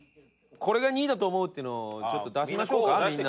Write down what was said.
これが２位だと思うってのをちょっと出しましょうかみんな。